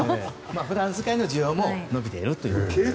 普段使いの需要も伸びているということですね。